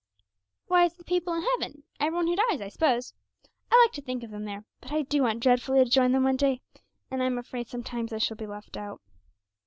'Why, it's the people in heaven every one who dies, I s'pose. I like to think of them there, but I do want dreadfully to join them one day; and I'm afraid sometimes I shall be left out.'